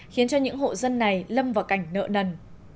khiến cho những hộ dân này lâm vào cảnh nợ nần